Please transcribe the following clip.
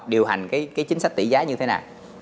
điều hành cái chính sách tỷ giá như thế nào